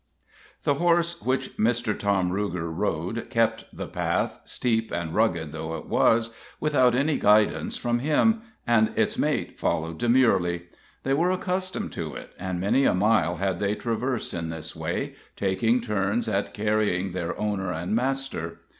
The horse which Mr. Tom Ruger rode kept the path, steep and rugged though it was, without any guidance from him, and its mate followed demurely. They were accustomed to it; and many a mile had they traversed in this way, taking turns at carrying their owner and master.